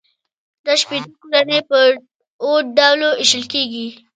دا شپیته کورنۍ په اووه ډلو وېشل کېږي